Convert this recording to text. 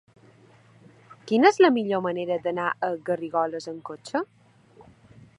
Quina és la millor manera d'anar a Garrigoles amb cotxe?